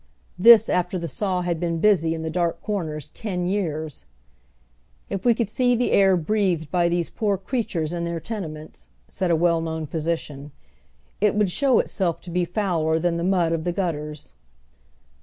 This after the saw had been busy in the dark corners ten yeai e !" If we conld see the air breathed by these poor ci eatnres in their tenements," said a well known physician, "it would show itself to be fouler than the mud of the gut ters."